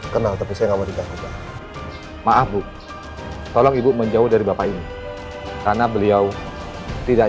kenal tapi saya nggak mau diganggu maaf bu tolong ibu menjauh dari bapak ini karena beliau tidak